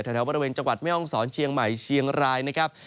แถวแถวบริเวณจังหวัดแม่องศรเชียงใหม่เชียงราย